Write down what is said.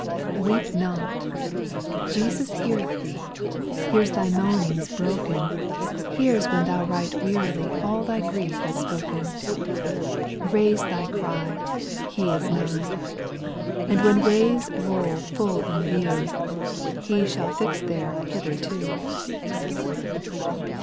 1 8. ; Weep not, — Jesus heareth thee. Hears thy moanings broken. Hears when thou right wearily All thy grief has spoken. Raise thy cry, He is nigh ; And when waves roll full in view, He shall fix their " Hitherto."